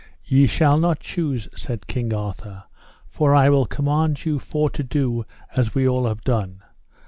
Ye shall not choose, said King Arthur, for I will command you for to do as we all have done.